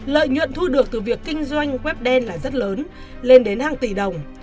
lợi nhuận thu được từ việc kinh doanh web đen là rất lớn lên đến hàng tỷ đồng